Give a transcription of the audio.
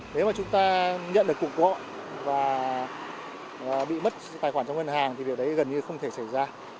nếu mà chúng ta nhận được cục bộ và bị mất tài khoản trong ngân hàng thì điều đấy gần như không thể xảy ra